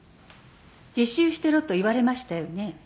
自習してろと言われましたよね？